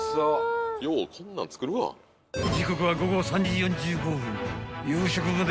［時刻は午後３時４５分］